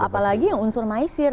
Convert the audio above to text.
apalagi yang unsur maisir